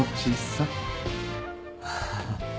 ハハハ。